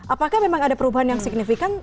apakah memang ada perubahan yang signifikan